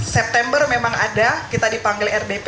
september memang ada kita dipanggil rdp